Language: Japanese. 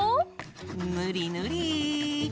ぬりぬり！